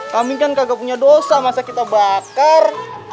kami kan kagak punya dosa masa kita bakar